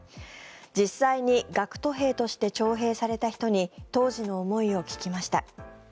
実際に学徒兵として徴兵された人に当時の思いを聞きました。